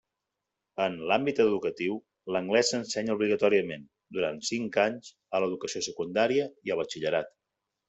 En l'àmbit educatiu l'anglès s'ensenya obligatòriament durant cinc anys a l'educació secundària i al batxillerat.